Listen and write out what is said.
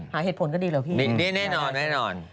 หาเหตุผลก็ดีเหรอพี่นี่แน่นอน